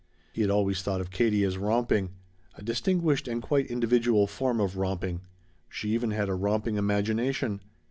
He had always thought of Katie as romping. A distinguished and quite individual form of romping. She even had a romping imagination.